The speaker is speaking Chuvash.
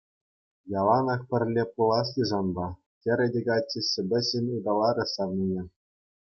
Яланах пӗрле пуласчӗ санпа, — терӗ те каччӑ ҫепӗҫҫӗн ыталарӗ савнине.